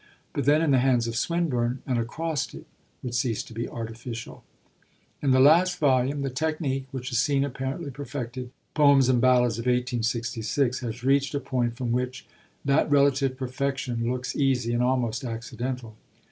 But then in the hands of Swinburne an acrostic would cease to be artificial. In this last volume the technique which is seen apparently perfected in the Poems and Ballads of 1866 has reached a point from which that relative perfection looks easy and almost accidental.